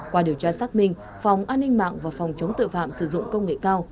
qua điều tra xác minh phòng an ninh mạng và phòng chống tội phạm sử dụng công nghệ cao